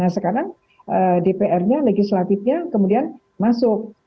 nah sekarang dpr nya legislatifnya kemudian masuk